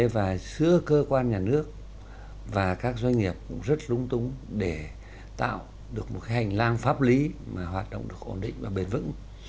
và giữa cơ quan nhà nước và các doanh nghiệp cũng rất rung tung để tạo được một hành lang pháp lý mà hoạt động được ổn định và bền vững